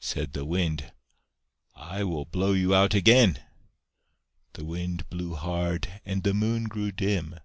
Said the Wind "I will blow you out again." The Wind blew hard, and the Moon grew dim.